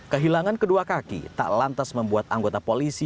kehilangan kedua kaki tak lantas membuat anggota polisi